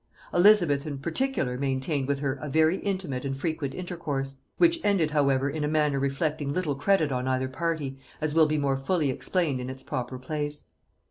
Elizabeth in particular maintained with her a very intimate and frequent intercourse; which ended however in a manner reflecting little credit on either party, as will be more fully explained in its proper place.